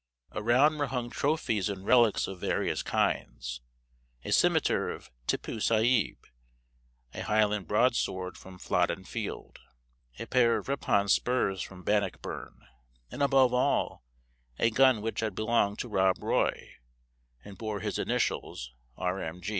Around were hung trophies and relics of various kinds: a cimeter of Tippoo Saib; a Highland broadsword from Flodden Field; a pair of Rippon spurs from Bannockburn; and above all, a gun which had belonged to Rob Roy, and bore his initials, R.M.